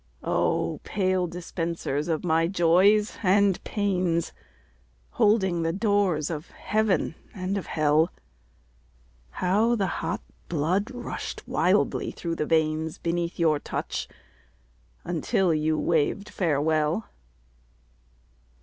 Oh, pale dispensers of my Joys and Pains, Holding the doors of Heaven and of Hell, How the hot blood rushed wildly through the veins Beneath your touch, until you waved farewell.